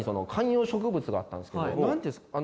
があったんですけど何ていうんですか